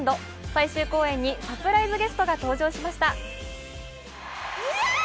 最終公演にサプライズゲストが登場しました。